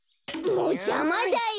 もうじゃまだよ！